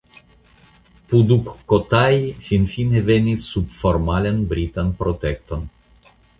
Pudukkotai finfine venis sub formalan britan protekton.